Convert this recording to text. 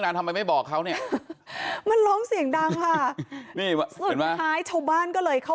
จนเจ้าแมวอะค่ะเจ้าเสือน้อยเนี่ยไปหยุดอยู่ตรงจุดที่คนร้ายซ่อนตัวแล้วก็ส่งเสียงร้อง